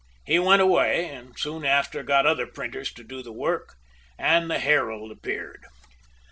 He went away, and soon after got other printers to do the work and the 'Herald' appeared."